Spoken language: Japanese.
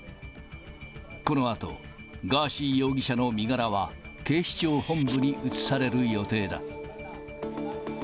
このあと、ガーシー容疑者の身柄は、警視庁本部に移される予定だ。